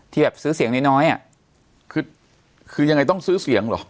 ที่แบบซื้อเสียงน้อยคือยังไงต้องซื้อเสียงหรอ